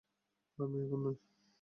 আমি এমন নই।